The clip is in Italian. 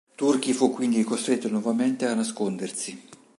Turki fu quindi costretto nuovamente a nascondersi.